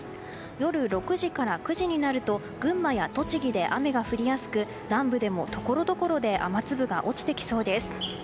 夜６時から９時になると群馬や栃木で雨が降りやすく南部でもところどころで雨粒が落ちてきそうです。